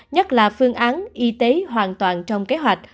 nhất là phương án y tế hoàn toàn trong kế hoạch